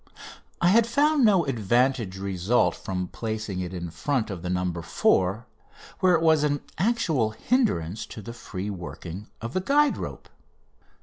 I had found no advantage result from placing it in front of the "No. 4," where it was an actual hindrance to the free working of the guide rope.